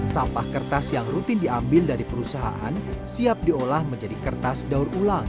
sampah kertas yang rutin diambil dari perusahaan siap diolah menjadi kertas daur ulang